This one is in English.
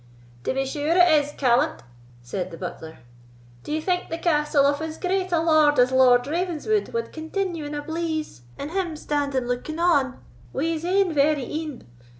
"To be sure it is, callant," said the butler; "do ye think the castle of as great a lord as Lord Ravenswood wad continue in a bleeze, and him standing looking on wi' his ain very een?